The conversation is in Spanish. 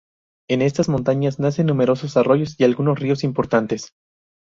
En estas montañas nacen numerosos arroyos y algunos ríos importantes.